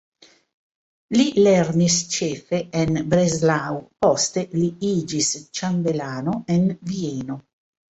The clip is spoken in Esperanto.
Li lernis ĉefe en Breslau, poste li iĝis ĉambelano en Vieno.